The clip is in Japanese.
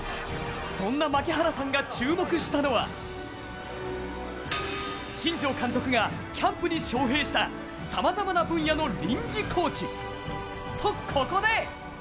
そんな牧原さんが注目したのは新庄監督がキャンプに招へいしたさまざまな分野の臨時コーチ。とここで。